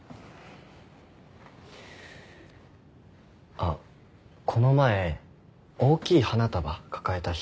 あっこの前大きい花束抱えた人電車で見て。